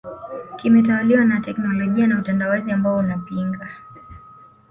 kimetawaliwa na teknolojia na utandawazi ambao unapinga